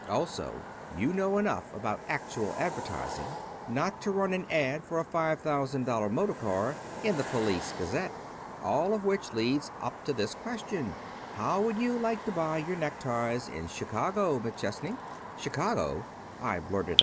Also, you know enough about actual advertising not to run an ad for a five thousand dollar motor car in the "Police Gazette." All of which leads up to this question: How would you like to buy your neckties in Chicago, McChesney?' "'Chicago!' I blurted.